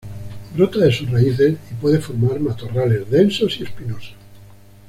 Brota de sus raíces y puede formar matorrales densos y espinosos.